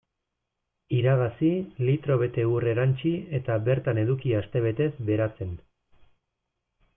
Iragazi, litro bete ur erantsi eta bertan eduki astebetez beratzen.